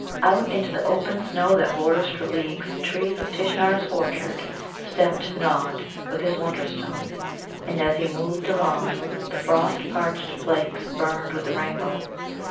Out into the open snow that borders for leagues the trees of Tishnar's orchard stepped Nod, with his Wonderstone. And, as he moved along, the frost parched flakes burned with the rainbow.